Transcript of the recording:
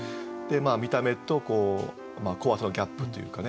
見た目と怖さのギャップというかね